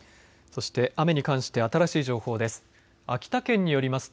そして雨に関して新しい情報です。